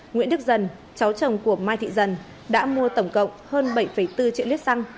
nguyễn đức dần cháu chồng của mai thị dần đã mua tổng cộng hơn bảy bốn triệu lít xăng